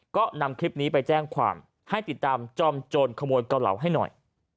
ก็นำคลิปนี้ไปแจ้งความให้ติดตามจอมโจรขโมยเกาเหลาให้หน่อย